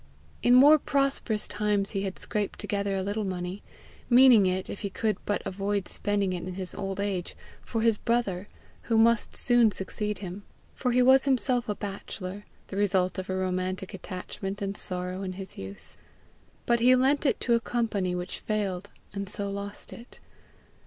In more prosperous times he had scraped together a little money, meaning it, if he could but avoid spending it in his old age, for his brother, who must soon succeed him; for he was himself a bachelor the result of a romantic attachment and sorrow in his youth; but he lent it to a company which failed, and so lost it.